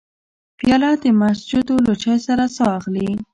پیاله د مسجدو له چای سره ساه اخلي.